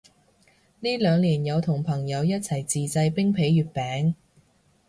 呢兩年有同朋友一齊自製冰皮月餅